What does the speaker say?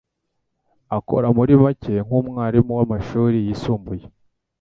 akora muri make nk'umwarimu w'amashuri yisumbuye.